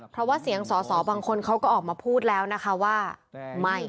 เพราะว่าเสียงสอสอบางคนเขาก็ออกมาพูดแล้วนะคะว่าไม่